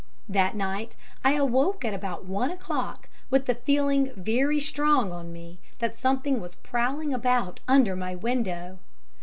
That night I awoke at about one o'clock with the feeling very strong on me that something was prowling about under my window.